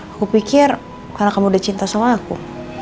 aku pikir karena kamu udah cinta sama aku